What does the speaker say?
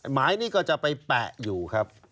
หมายนี้ก็จะไปแปะอยู่ครับ